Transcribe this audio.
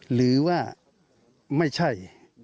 หรือว่าไม่ใช่